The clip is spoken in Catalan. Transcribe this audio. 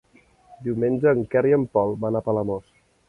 Diumenge en Quer i en Pol van a Palamós.